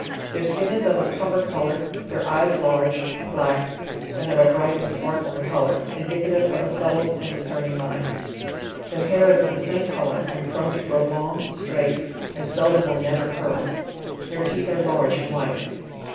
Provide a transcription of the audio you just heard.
Their skin is of a copper color, their eyes large, black, and of a bright and sparkling color, indicative of a subtle and discern ing mind. Their hair is of the same color, and prone to grow long, straight, and seldom or never curled; their teeth are large and white.